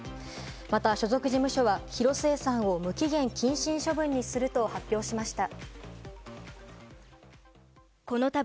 また所属事務所は広末さんを無期限謹慎処分にすると発表しました。